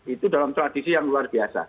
itu dalam tradisi yang luar biasa